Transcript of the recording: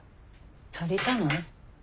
足りたの？